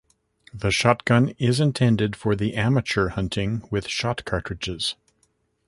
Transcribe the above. The shotgun is intended for the amateur hunting with shot cartridges.